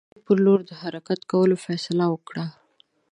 ده د ډهلي پر لور د حرکت کولو فیصله وکړه.